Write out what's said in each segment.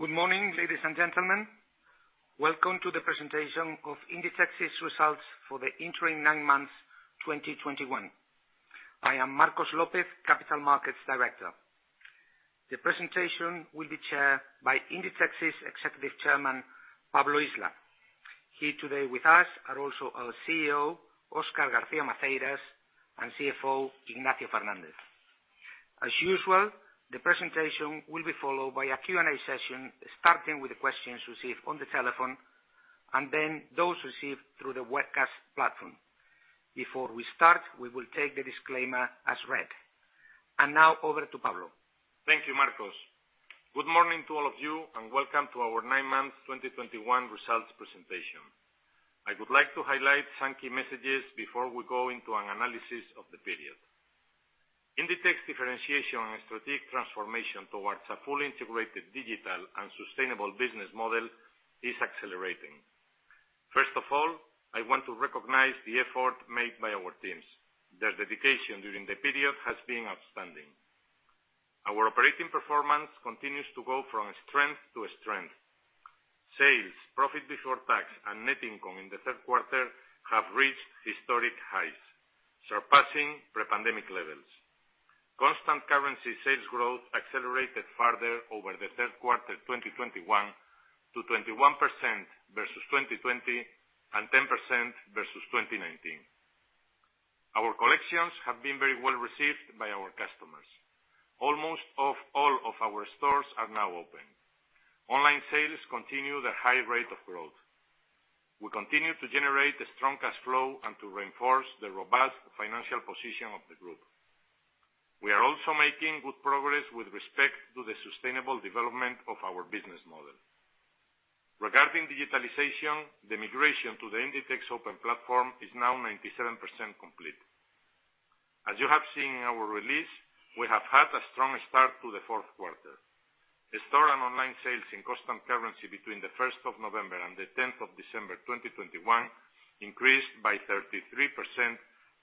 Good morning, ladies and gentlemen. Welcome to the presentation of Inditex's results for the interim nine months 2021. I am Marcos López, Capital Markets Director. The presentation will be chaired by Inditex's Executive Chairman, Pablo Isla. Here today with us are also our CEO, Óscar García Maceiras, and CFO, Ignacio Fernández. As usual, the presentation will be followed by a Q&A session, starting with the questions received on the telephone, and then those received through the webcast platform. Before we start, we will take the disclaimer as read. Now over to Pablo. Thank you, Marcos. Good morning to all of you, and welcome to our nine-month 2021 results presentation. I would like to highlight some key messages before we go into an analysis of the period. Inditex differentiation and strategic transformation towards a fully integrated digital and sustainable business model is accelerating. First of all, I want to recognize the effort made by our teams. Their dedication during the period has been outstanding. Our operating performance continues to go from strength to strength. Sales, profit before tax, and net income in the third quarter have reached historic highs, surpassing pre-pandemic levels. Constant currency sales growth accelerated further over the third quarter 2021 to 21% versus 2020, and 10% versus 2019. Our collections have been very well received by our customers. Almost all of our stores are now open. Online sales continue their high rate of growth. We continue to generate a strong cash flow and to reinforce the robust financial position of the group. We are also making good progress with respect to the sustainable development of our business model. Regarding digitalization, the migration to the Inditex Open Platform is now 97% complete. As you have seen in our release, we have had a strong start to the fourth quarter. The store and online sales in constant currency between the first of November and the tenth of December 2021 increased by 33%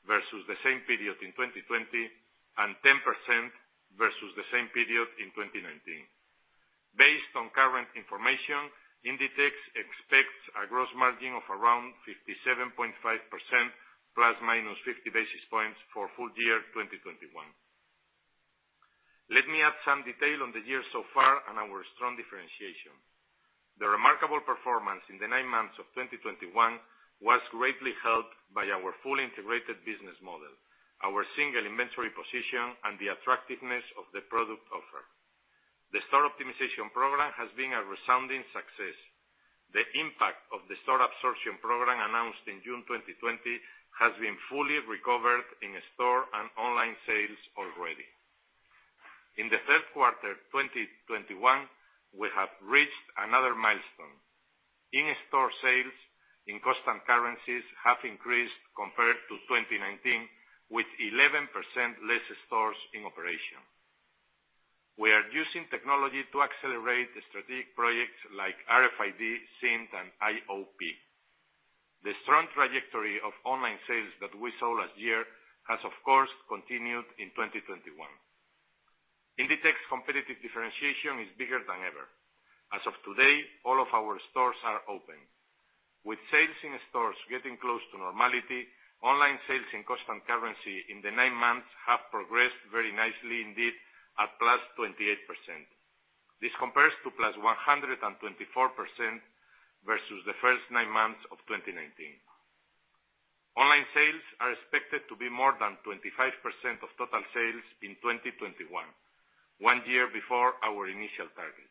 versus the same period in 2020, and 10% versus the same period in 2019. Based on current information, Inditex expects a gross margin of around 57.5% plus or minus 50 basis points for full year 2021. Let me add some detail on the year so far and our strong differentiation. The remarkable performance in the nine months of 2021 was greatly helped by our fully integrated business model, our single inventory position, and the attractiveness of the product offer. The store optimization program has been a resounding success. The impact of the store absorption program announced in June 2020 has been fully recovered in store and online sales already. In the third quarter 2021, we have reached another milestone. In-store sales in constant currencies have increased compared to 2019, with 11% less stores in operation. We are using technology to accelerate the strategic projects like RFID, SINT, and IOP. The strong trajectory of online sales that we saw last year has, of course, continued in 2021. Inditex competitive differentiation is bigger than ever. As of today, all of our stores are open. With sales in stores getting close to normality, online sales in constant currency in the nine months have progressed very nicely indeed at +28%. This compares to +124% versus the first nine months of 2019. Online sales are expected to be more than 25% of total sales in 2021, one year before our initial target.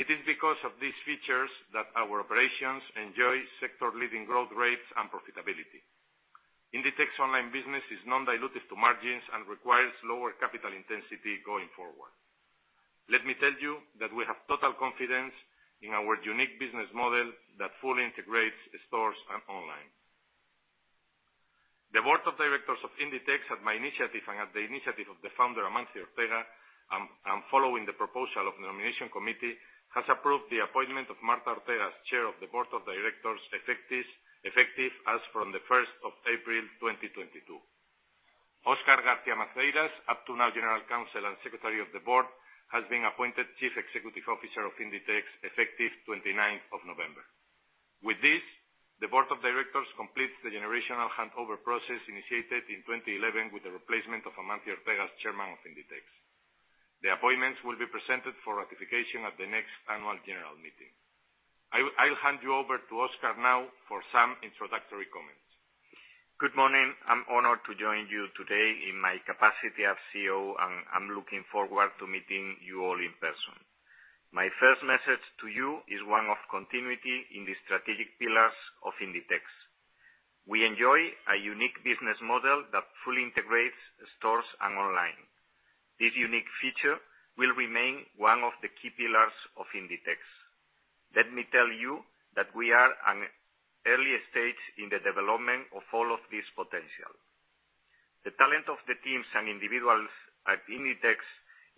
It is because of these features that our operations enjoy sector leading growth rates and profitability. Inditex online business is non-dilutive to margins and requires lower capital intensity going forward. Let me tell you that we have total confidence in our unique business model that fully integrates stores and online. The board of directors of Inditex, at my initiative and at the initiative of the founder, Amancio Ortega, and following the proposal of the nomination committee, has approved the appointment of Marta Ortega as Chair of the board of directors effective as from April 1, 2022. Óscar García Maceiras, up to now General Counsel and Secretary of the board, has been appointed Chief Executive Officer of Inditex effective November 29. With this, the board of directors completes the generational handover process initiated in 2011 with the replacement of Amancio Ortega as Chairman of Inditex. The appointments will be presented for ratification at the next annual general meeting. I'll hand you over to Óscar now for some introductory comments. Good morning. I'm honored to join you today in my capacity as CEO, and I'm looking forward to meeting you all in person. My first message to you is one of continuity in the strategic pillars of Inditex. We enjoy a unique business model that fully integrates stores and online. This unique feature will remain one of the key pillars of Inditex. Let me tell you that we are an early stage in the development of all of this potential. The talent of the teams and individuals at Inditex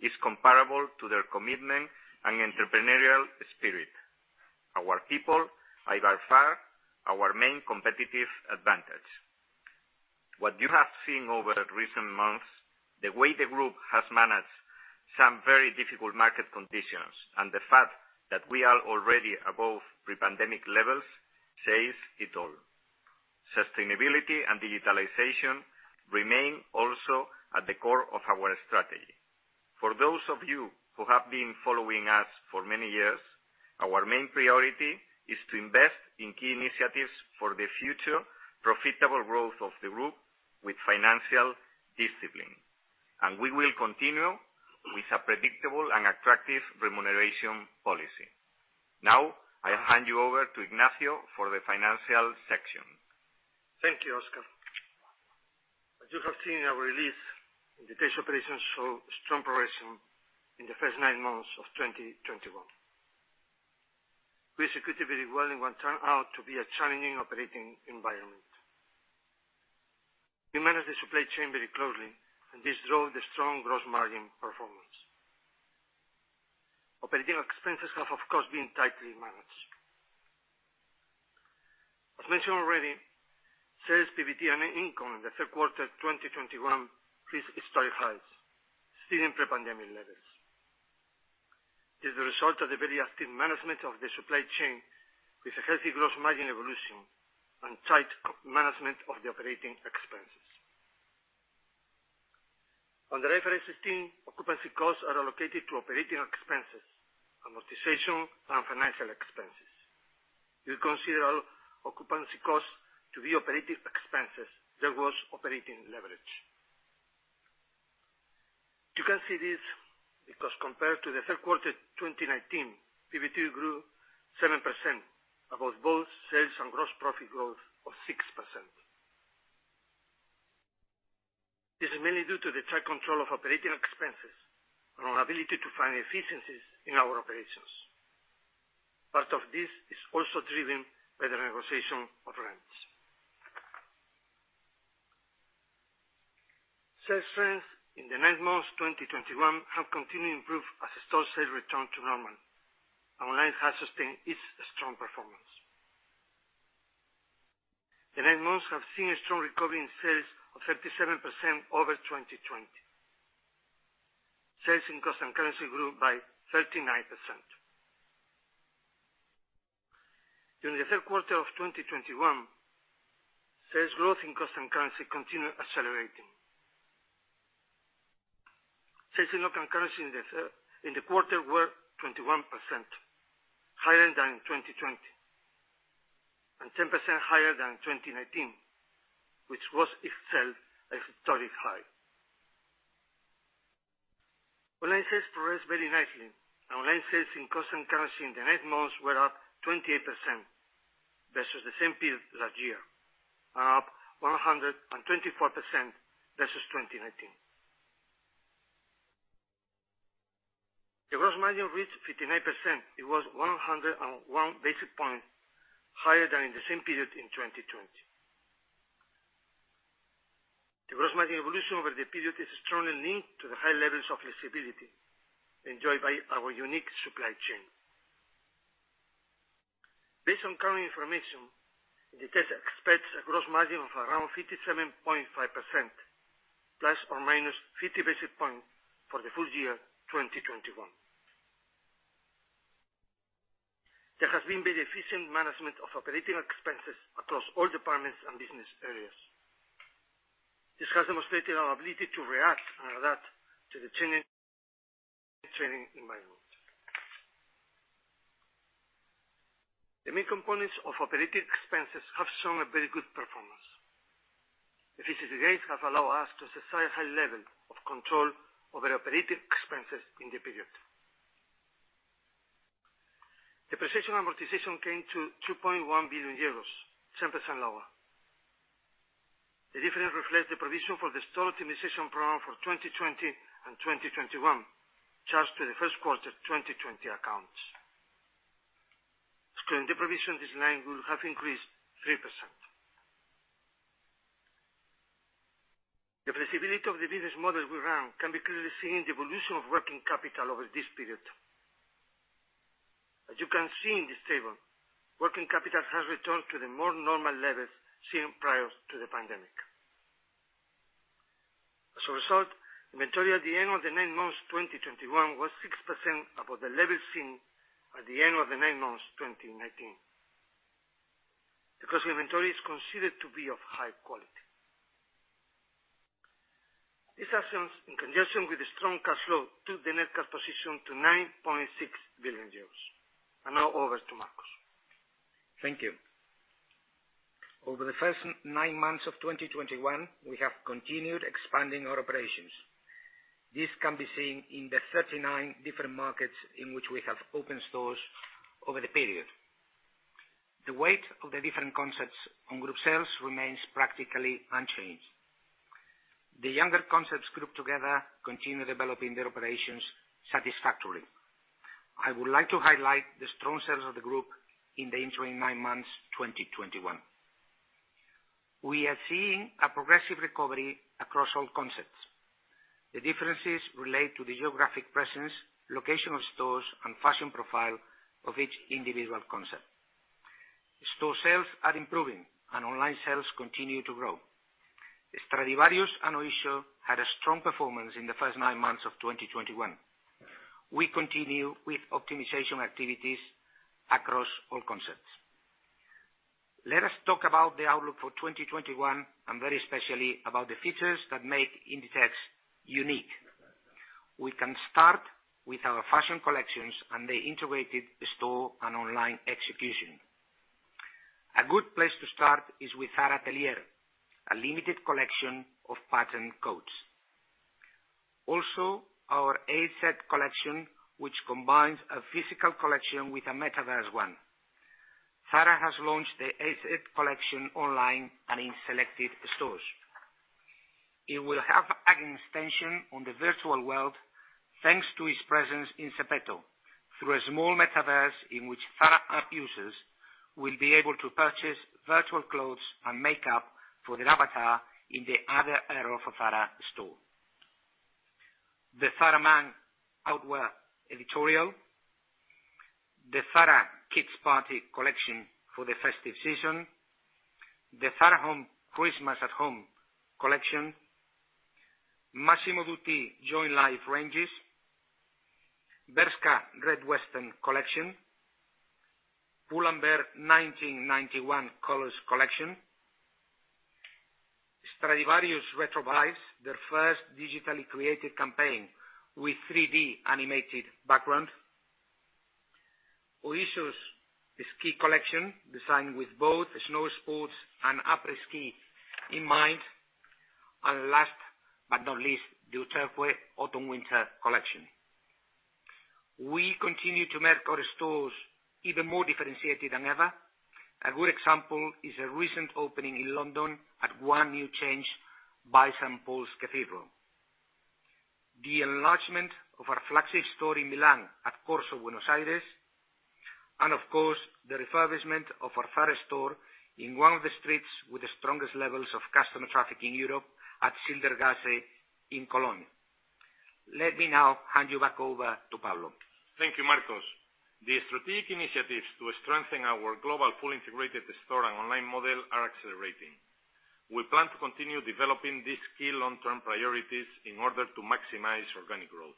is comparable to their commitment and entrepreneurial spirit. Our people are by far our main competitive advantage. What you have seen over recent months, the way the group has managed some very difficult market conditions, and the fact that we are already above pre-pandemic levels says it all. Sustainability and digitalization remain also at the core of our strategy. For those of you who have been following us for many years, our main priority is to invest in key initiatives for the future profitable growth of the group with financial discipline. We will continue with a predictable and attractive remuneration policy. Now, I hand you over to Ignacio for the financial section. Thank you, Óscar. As you have seen in our release, Inditex operations show strong progression in the first nine months of 2021. We executed very well in what turned out to be a challenging operating environment. We managed the supply chain very closely, and this drove the strong gross margin performance. Operating expenses have, of course, been tightly managed. As mentioned already, sales, PBT, and net income in the third quarter 2021 reached historic highs, exceeding pre-pandemic levels. It is the result of the very active management of the supply chain with a healthy gross margin evolution and tight co-management of the operating expenses. Regarding occupancy costs, they are allocated to operating expenses, amortization, and financial expenses. You consider occupancy costs to be operating expenses. There was operating leverage. You can see this because compared to the third quarter 2019, PBT grew 7% above both sales and gross profit growth of 6%. This is mainly due to the tight control of operating expenses and our ability to find efficiencies in our operations. Part of this is also driven by the negotiation of rents. Sales trends in the nine months 2021 have continued to improve as store sales return to normal. Online has sustained its strong performance. The nine months have seen a strong recovery in sales of 37% over 2020. Sales in constant currency grew by 39%. During the third quarter of 2021, sales growth in constant currency continued accelerating. Sales in local currency in the third quarter were 21% higher than in 2020 and 10% higher than in 2019, which was itself a historic high. Online sales progressed very nicely. Our online sales in constant currency in the nine months were up 28% versus the same period last year, and up 124% versus 2019. The gross margin reached 59%. It was 101 basis points higher than in the same period in 2020. The gross margin evolution over the period is strongly linked to the high levels of flexibility enjoyed by our unique supply chain. Based on current information, Inditex expects a gross margin of around 57.5%, ±50 basis points, for the full year 2021. There has been very efficient management of operating expenses across all departments and business areas. This has demonstrated our ability to react and adapt to the changing environment. The main components of operating expenses have shown a very good performance. Efficiency gains have allowed us to sustain a high level of control over operating expenses in the period. Depreciation and amortization came to 2.1 billion euros, 10% lower. The difference reflects the provision for the store optimization program for 2020 and 2021, charged to the first quarter 2020 accounts. Excluding the provision, this line would have increased 3%. The flexibility of the business model we run can be clearly seen in the evolution of working capital over this period. As you can see in this table, working capital has returned to the more normal levels seen prior to the pandemic. As a result, inventory at the end of the nine months 2021 was 6% above the level seen at the end of the nine months 2019. The cost of inventory is considered to be of high quality. These actions, in conjunction with the strong cash flow, took the net cash position to 9.6 billion euros. Now over to Marcos. Thank you. Over the first nine months of 2021, we have continued expanding our operations. This can be seen in the 39 different markets in which we have opened stores over the period. The weight of the different concepts on group sales remains practically unchanged. The younger concepts grouped together continue developing their operations satisfactorily. I would like to highlight the strong sales of the group in the ensuing nine months 2021. We are seeing a progressive recovery across all concepts. The differences relate to the geographic presence, location of stores, and fashion profile of each individual concept. Store sales are improving and online sales continue to grow. Stradivarius and Oysho had a strong performance in the first nine months of 2021. We continue with optimization activities across all concepts. Let us talk about the outlook for 2021, and very especially about the features that make Inditex unique. We can start with our fashion collections and the integrated store and online execution. A good place to start is with Zara Atelier, a limited collection of patterned coats. Also, our AZ collection, which combines a physical collection with a metaverse one. Zara has launched the AZ collection online and in selected stores. It will have an extension on the virtual world, thanks to its presence in ZEPETO, through a small metaverse in which Zara app users will be able to purchase virtual clothes and makeup for their avatar in the Ader Error Zara store. The Zara Man Outerwear editorial, the Zara Kids Party collection for the festive season, the Zara Home Christmas at Home collection, Massimo Dutti Join Life ranges, Bershka Red Western collection, Pull&Bear 1991 Colors collection, Stradivarius Retro Vibes, their first digitally created campaign with 3D animated background, Oysho's ski collection designed with both snow sports and après-ski in mind, and last but not least, the Uterqüe autumn winter collection. We continue to make our stores even more differentiated than ever. A good example is a recent opening in London at One New Change by St. Paul's Cathedral. The enlargement of our flagship store in Milan at Corso Buenos Aires, and of course, the refurbishment of our Zara store in one of the streets with the strongest levels of customer traffic in Europe at Schildergasse in Cologne. Let me now hand you back over to Pablo. Thank you, Marcos. The strategic initiatives to strengthen our global fully integrated store and online model are accelerating. We plan to continue developing these key long-term priorities in order to maximize organic growth.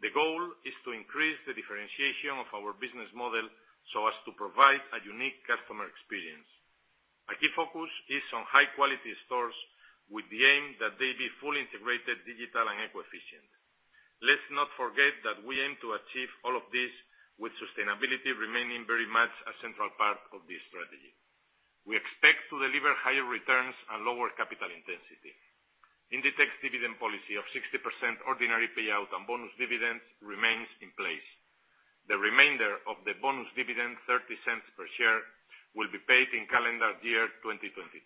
The goal is to increase the differentiation of our business model so as to provide a unique customer experience. A key focus is on high quality stores with the aim that they be fully integrated digital and eco-efficient. Let's not forget that we aim to achieve all of this with sustainability remaining very much a central part of this strategy. We expect to deliver higher returns and lower capital intensity. Inditex dividend policy of 60% ordinary payout and bonus dividends remains in place. The remainder of the bonus dividend, 0.30 per share, will be paid in calendar year 2022.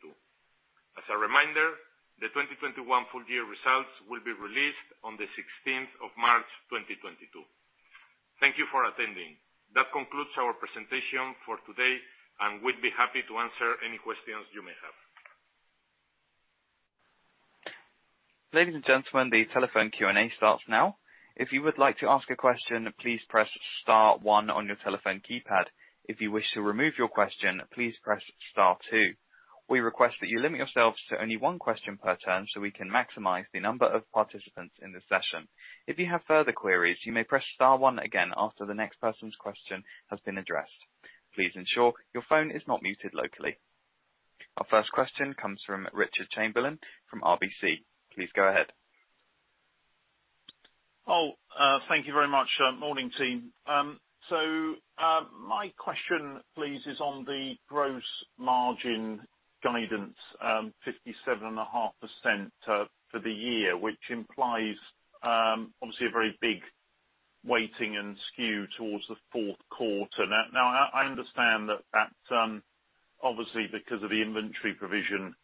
As a reminder, the 2021 full year results will be released on the 16th of March, 2022. Thank you for attending. That concludes our presentation for today, and we'd be happy to answer any questions you may have. Ladies and gentlemen, the telephone Q&A starts now. If you would like to ask a question, please press star one on your telephone keypad. If you wish to remove your question, please press star two. We request that you limit yourselves to only one question per turn so we can maximize the number of participants in the session. If you have further queries, you may press star one again after the next person's question has been addressed. Please ensure your phone is not muted locally. Our first question comes from Richard Chamberlain from RBC. Please go ahead. Thank you very much. Morning, team. So, my question, please, is on the gross margin guidance, 57.5% for the year, which implies obviously a very big weighting and skew towards the fourth quarter. Now, I understand that that's obviously because of the inventory provision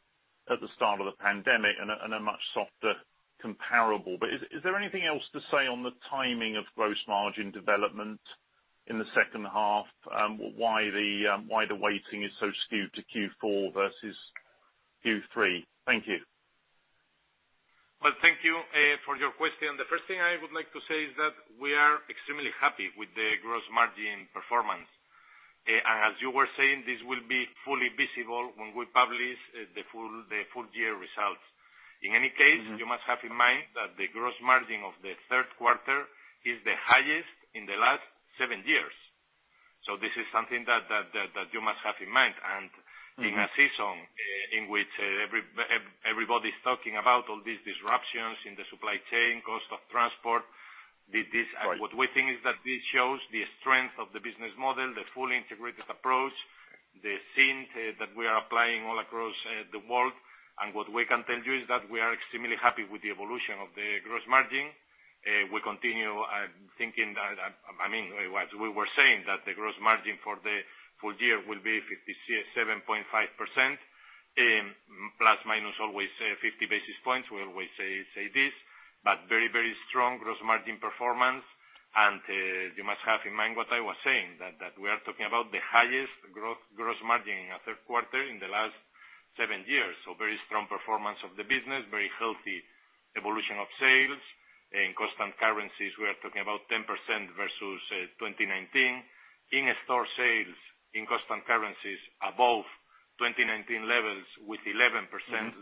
at the start of the pandemic and a much softer comparable. But is there anything else to say on the timing of gross margin development in the second half? Why the weighting is so skewed to Q4 versus Q3? Thank you. Well, thank you for your question. The first thing I would like to say is that we are extremely happy with the gross margin performance. As you were saying, this will be fully visible when we publish the full year results. In any case. You must have in mind that the gross margin of the third quarter is the highest in the last seven years. This is something that you must have in mind. In a season in which everybody's talking about all these disruptions in the supply chain, cost of transport. Right. What we think is that this shows the strength of the business model, the fully integrated approach, the SINT, that we are applying all across the world. What we can tell you is that we are extremely happy with the evolution of the gross margin. We continue thinking that, I mean, as we were saying, that the gross margin for the full year will be 57.5%, plus or minus always 50 basis points. We always say this. But very, very strong gross margin performance. You must have in mind what I was saying, that we are talking about the highest growth gross margin in the third quarter in the last Seven years. Very strong performance of the business, very healthy evolution of sales. In constant currencies, we are talking about 10% versus 2019. In-store sales in constant currencies above 2019 levels with 11%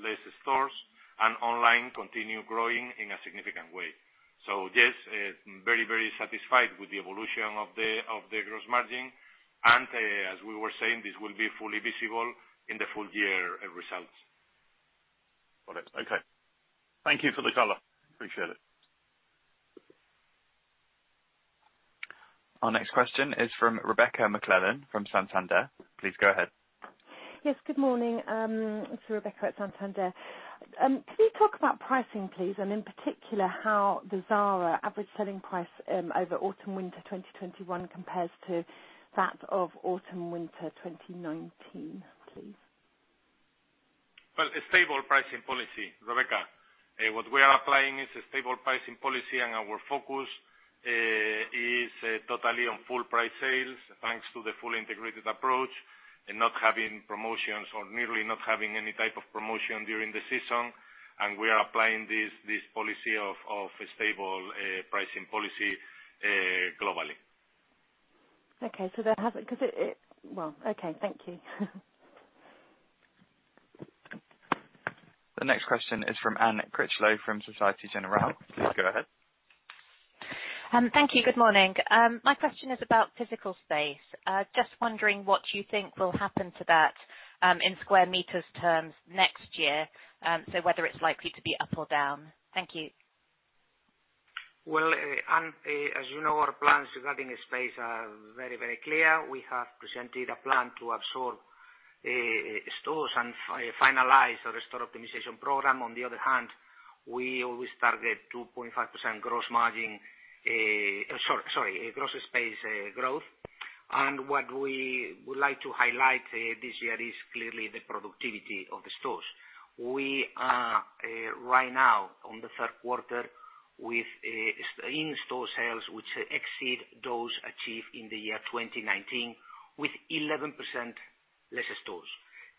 less stores. Online continue growing in a significant way. Yes, very, very satisfied with the evolution of the gross margin. As we were saying, this will be fully visible in the full year results. Got it. Okay. Thank you for the color. Appreciate it. Our next question is from Rebecca McClellan from Santander. Please go ahead. Yes. Good morning. It's Rebecca at Santander. Can you talk about pricing, please? In particular, how the Zara average selling price over autumn/winter 2021 compares to that of autumn/winter 2019, please. Well, a stable pricing policy, Rebecca. What we are applying is a stable pricing policy, and our focus is totally on full price sales, thanks to the full integrated approach and not having promotions or nearly not having any type of promotion during the season. We are applying this policy of stable pricing policy globally. Well, okay. Thank you. The next question is from Anne Critchlow from Société Générale. Please go ahead. Thank you. Good morning. My question is about physical space. Just wondering what you think will happen to that, in square meters terms next year, whether it's likely to be up or down. Thank you. Well, as you know, our plans regarding the space are very, very clear. We have presented a plan to absorb stores and finalize our store optimization program. On the other hand, we always target 2.5% gross space growth. What we would like to highlight this year is clearly the productivity of the stores. We are right now on the third quarter with in-store sales which exceed those achieved in the year 2019, with 11% less stores.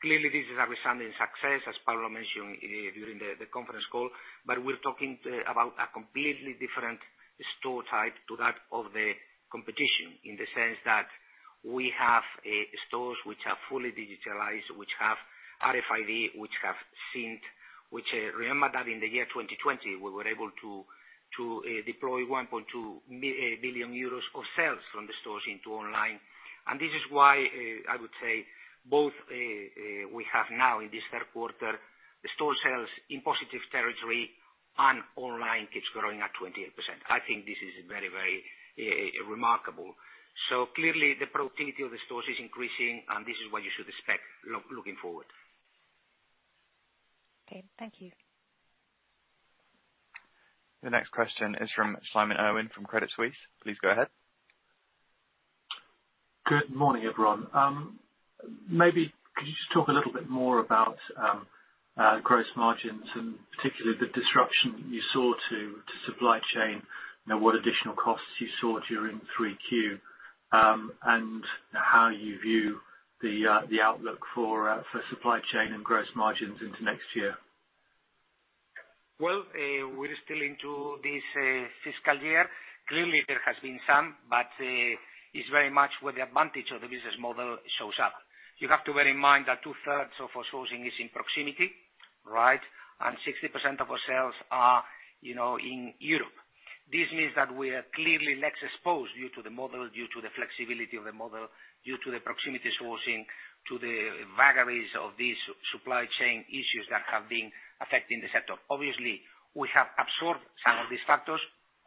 Clearly this is a resounding success, as Pablo mentioned during the conference call, but we're talking about a completely different store type to that of the competition, in the sense that we have stores which are fully digitized, which have RFID, which have SINT. Remember that in the year 2020, we were able to deploy 1.2 billion euros of sales from the stores into online. This is why I would say both we have now in this third quarter the store sales in positive territory and online keeps growing at 28%. I think this is very remarkable. Clearly the productivity of the stores is increasing, and this is what you should expect looking forward. Okay. Thank you. The next question is from Simon Irwin from Credit Suisse. Please go ahead. Good morning, everyone. Maybe could you just talk a little bit more about gross margins, and particularly the disruption you saw to supply chain and what additional costs you saw during 3Q, and how you view the outlook for supply chain and gross margins into next year? Well, we're still into this fiscal year. Clearly there has been some, but it's very much where the advantage of the business model shows up. You have to bear in mind that 2/3 of our sourcing is in proximity, right? 60% of our sales are, you know, in Europe. This means that we are clearly less exposed due to the model, due to the flexibility of the model, due to the proximity sourcing, to the vagaries of these supply chain issues that have been affecting the sector. Obviously, we have absorbed some of these factors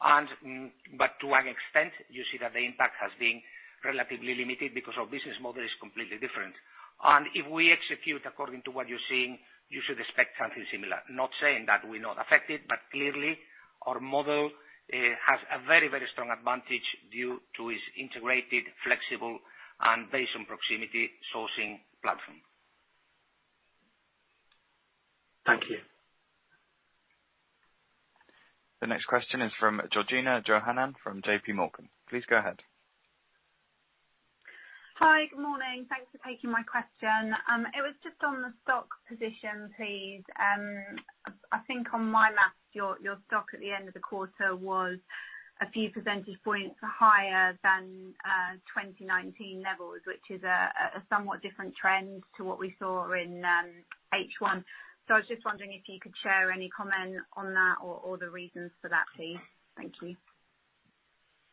and, but to an extent, you see that the impact has been relatively limited because our business model is completely different. If we execute according to what you're seeing, you should expect something similar. Not saying that we're not affected, but clearly our model has a very, very strong advantage due to its integrated, flexible, and based on proximity sourcing platform. Thank you. The next question is from Georgina Johanan from JPMorgan. Please go ahead. Hi. Good morning. Thanks for taking my question. It was just on the stock position, please. I think on my math, your stock at the end of the quarter was a few percentage points higher than 2019 levels, which is a somewhat different trend to what we saw in H1. I was just wondering if you could share any comment on that or the reasons for that, please. Thank you.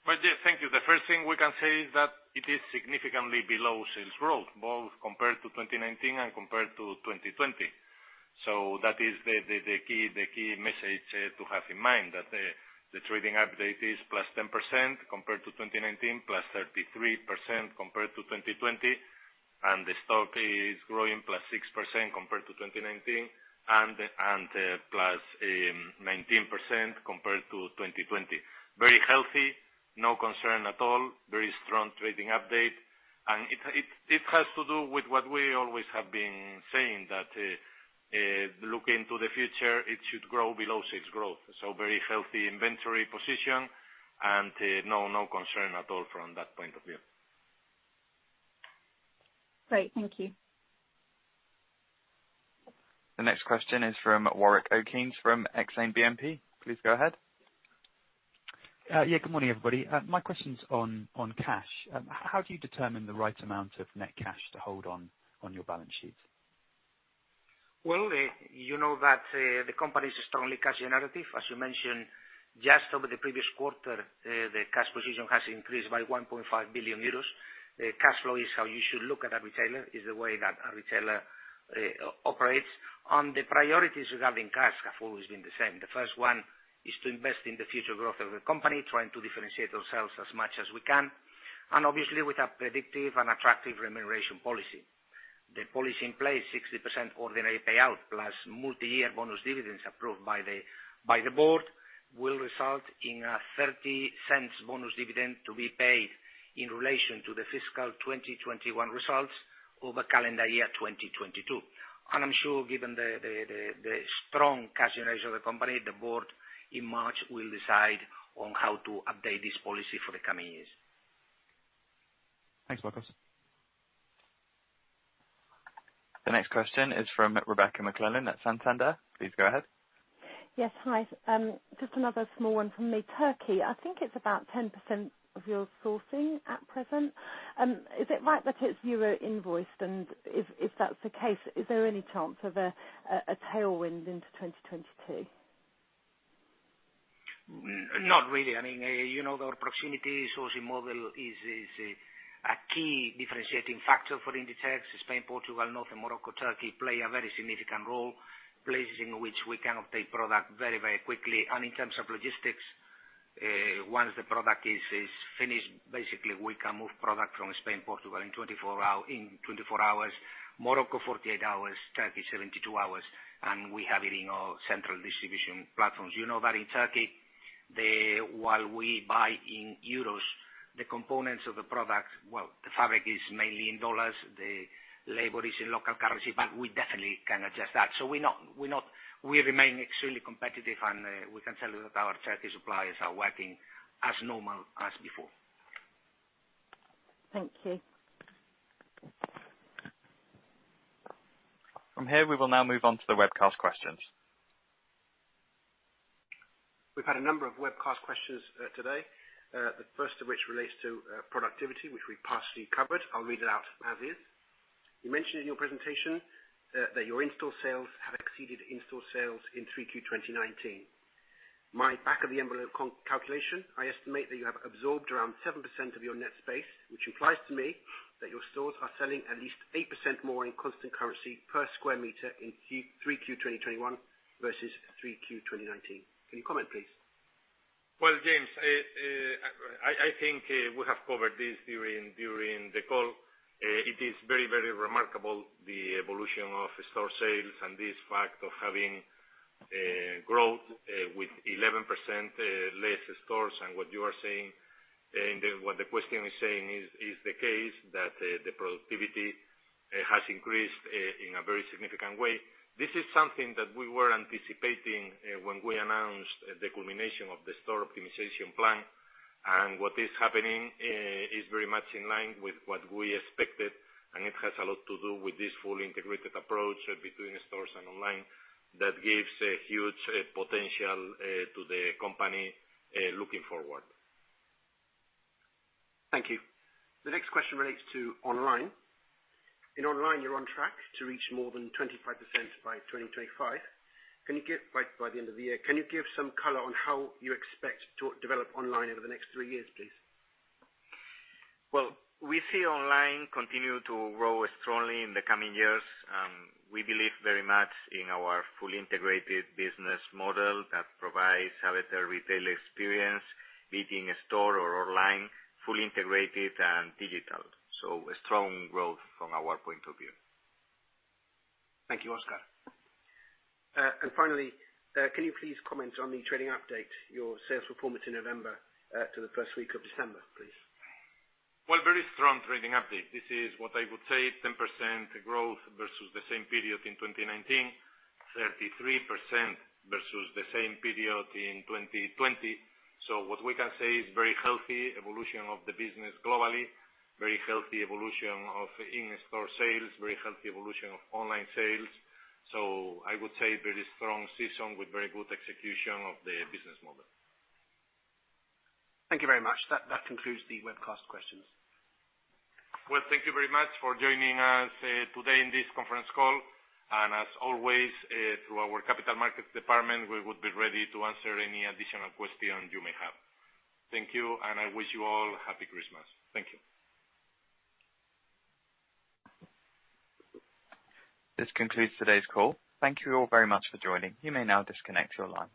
Well, yeah, thank you. The first thing we can say is that it is significantly below sales growth, both compared to 2019 and compared to 2020. That is the key message to have in mind, that the trading update is +10% compared to 2019, +33% compared to 2020, and the stock is growing +6% compared to 2019 and +19% compared to 2020. Very healthy. No concern at all. Very strong trading update. It has to do with what we always have been saying, that looking to the future, it should grow below sales growth. Very healthy inventory position, and no concern at all from that point of view. Great. Thank you. The next question is from Warwick Okines from Exane BNP. Please go ahead. Yeah, good morning, everybody. My question's on cash. How do you determine the right amount of net cash to hold on your balance sheet? Well, you know that the company is strongly cash generative. As you mentioned, just over the previous quarter, the cash position has increased by 1.5 billion euros. The cash flow is how you should look at a retailer, the way that a retailer operates. The priorities regarding cash have always been the same. The first one is to invest in the future growth of the company, trying to differentiate ourselves as much as we can. Obviously, with a predictive and attractive remuneration policy. The policy in place, 60% ordinary payout plus multi-year bonus dividends approved by the board, will result in a €0.30 bonus dividend to be paid in relation to the fiscal 2021 results over calendar year 2022. I'm sure given the strong cash generation of the company, the board in March will decide on how to update this policy for the coming years. Thanks, Marcos. The next question is from Rebecca McClellan at Santander. Please go ahead. Yes. Hi. Just another small one from me. Turkey, I think it's about 10% of your sourcing at present. Is it right that it's EUR invoiced? If that's the case, is there any chance of a tailwind into 2022? Not really. I mean, you know, our proximity sourcing model is a key differentiating factor for Inditex. Spain, Portugal, northern Morocco, Turkey play a very significant role, places in which we can obtain product very, very quickly. In terms of logistics, once the product is finished, basically we can move product from Spain, Portugal in 24 hours, Morocco 48 hours, Turkey 72 hours, and we have it in our central distribution platforms. You know that in Turkey, while we buy in euros, the components of the product, well, the fabric is mainly in U.S. dollars, the labor is in local currency, but we definitely can adjust that. We're not. We remain extremely competitive, and we can tell you that our Turkey suppliers are working as normal as before. Thank you. From here, we will now move on to the webcast questions. We've had a number of webcast questions today. The first of which relates to productivity, which we partially covered. I'll read it out as is. You mentioned in your presentation that your in-store sales have exceeded in-store sales in 3Q 2019. My back of the envelope calculation, I estimate that you have absorbed around 7% of your net space, which implies to me that your stores are selling at least 8% more in constant currency per sq m in 3Q 2021 versus 3Q 2019. Can you comment, please? Well, James, I think we have covered this during the call. It is very remarkable the evolution of store sales and this fact of having growth with 11% less stores. What you are saying and what the question is saying is the case that the productivity has increased in a very significant way. This is something that we were anticipating when we announced the culmination of the store optimization plan. What is happening is very much in line with what we expected, and it has a lot to do with this full integrated approach between stores and online that gives a huge potential to the company looking forward. Thank you. The next question relates to online. In online, you're on track to reach more than 25% by 2025. By the end of the year, can you give some color on how you expect to develop online over the next three years, please? Well, we see online continue to grow strongly in the coming years. We believe very much in our fully integrated business model that provides a better retail experience, be it in store or online, fully integrated and digital. A strong growth from our point of view. Thank you, Óscar. Finally, can you please comment on the trading update, your sales performance in November, to the first week of December, please? Well, very strong trading update. This is what I would say 10% growth versus the same period in 2019, 33% versus the same period in 2020. What we can say is very healthy evolution of the business globally, very healthy evolution of in-store sales, very healthy evolution of online sales. I would say very strong season with very good execution of the business model. Thank you very much. That concludes the webcast questions. Well, thank you very much for joining us, today in this conference call. As always, through our capital markets department, we would be ready to answer any additional questions you may have. Thank you, and I wish you all Happy Christmas. Thank you. This concludes today's call. Thank you all very much for joining. You may now disconnect your line.